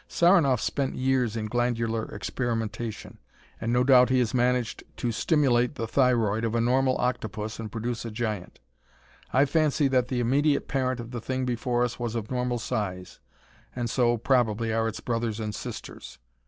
Saranoff spent years in glandular experimentation, and no doubt he has managed to stimulate the thyroid of a normal octopus and produce a giant. I fancy that the immediate parent of the thing before us was of normal size, and so, probably, are its brothers and sisters.